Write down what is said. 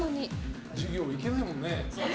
授業、行けないもんね。